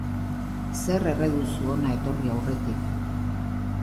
Zer erre duzu hona etorri aurretik.